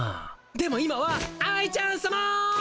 でも今は愛ちゃんさま。